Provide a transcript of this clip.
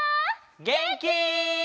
げんき？